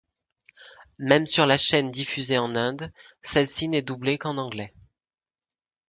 Même sur la chaîne diffusée en Inde, celle-ci n'est doublée qu'en anglais.